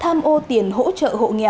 tham ô tiền hỗ trợ hộ nghèo